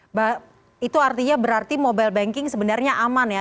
mbak itu artinya berarti mobile banking sebenarnya aman ya